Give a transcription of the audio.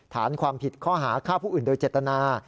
ฐานความผิดข้อหาฆ่าผู้อื่นโดยเจตนา